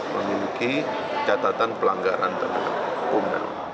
jadi catatan pelanggaran terhadap hukum